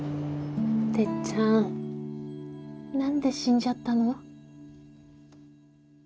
てっちゃん何で死んじゃったの？